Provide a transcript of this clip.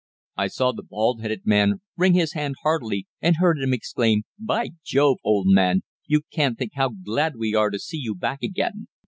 I saw the bald headed man wring his hand heartily, and heard him exclaim: 'By Jove! old man, you can't think how glad we are to see you back again!